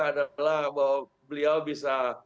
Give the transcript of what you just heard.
adalah bahwa beliau bisa